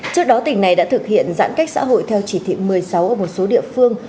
trước đó tỉnh này đã thực hiện giãn cách xã hội theo chỉ thị một mươi sáu ở một số địa phương